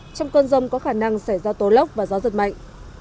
trong cơn rông có khả năng xảy ra tố lốc và gió giật mạnh